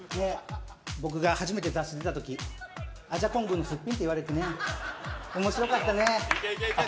僕が初めて雑誌に出たとき、アジャ・コングのすっぴんって言われておもしろかったね。